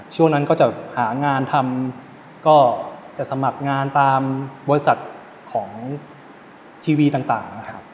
ช่วงนั้นก็จะหางานทำก็จะสมัครงานตามบริษัทของทีวีต่างนะครับ